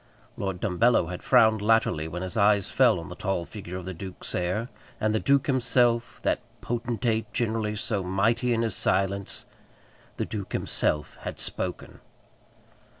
Lord Dumbello had frowned latterly when his eyes fell on the tall figure of the duke's heir; and the duke himself, that potentate, generally so mighty in his silence, the duke himself had spoken.